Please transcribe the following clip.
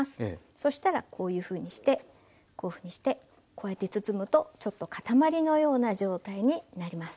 そしたらこういうふうにしてこういうふうにしてこうやって包むとちょっと塊のような状態になります。